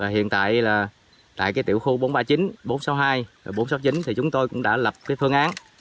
hiện tại tại tiểu khu bốn trăm ba mươi chín bốn trăm sáu mươi hai bốn trăm sáu mươi chín thì chúng tôi cũng đã lập phương án